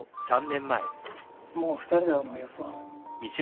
もう２人で会うのはよそう